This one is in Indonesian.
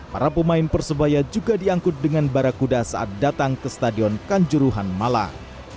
para pemain persebaya juga diangkut dengan barakuda saat datang ke stadion kanjuruhan malang